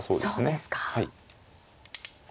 そうですか。